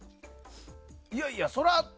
いやいや、それは。